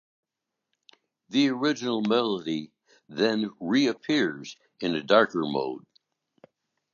The original melody then reappears in a darker mode.